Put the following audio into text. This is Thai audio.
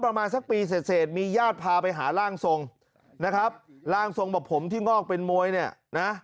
ประมาณสักปีเสร็จเสร็จมีญาติพาไปหาร่างทรงนะครับร่างทรงบอกผมที่งอกเป็นมวยเนี่ยนะ